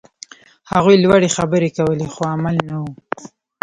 هغوی لوړې خبرې کولې، خو عمل نه و.